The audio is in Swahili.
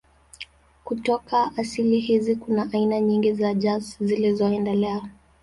Kutoka asili hizi kuna aina nyingi za jazz zilizoendelea.